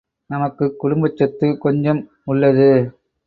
நமக்குக் குடும்பச்சொத்து கொஞ்சம் உள்ளது.